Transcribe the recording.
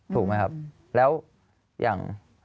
ถูกไหมครับแล้วอย่าง